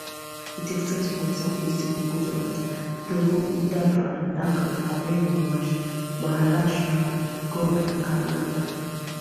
It extends from southeastern Gujarat through Dadra and Nagar Haveli, Maharashtra, Goa, and Karnataka.